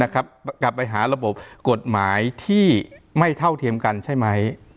กลับไปหาระบบกฎหมายที่ไม่เท่าเทียมกันใช่ไหม